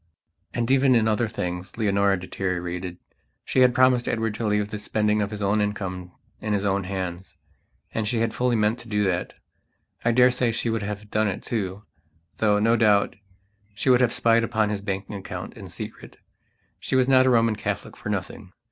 And even in other things Leonora deteriorated. She had promised Edward to leave the spending of his own income in his own hands. And she had fully meant to do that. I daresay she would have done it too; though, no doubt, she would have spied upon his banking account in secret. She was not a Roman Catholic for nothing.